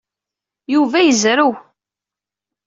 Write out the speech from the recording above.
Yuba yezrew.